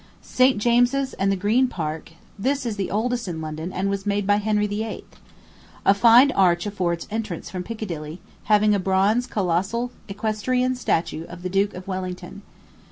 St. James's and the Green Park: this is the oldest in London, and was made by Henry VIII. A fine arch affords entrance from Piccadilly, having a bronze colossal equestrian statue of the Duke of Wellington.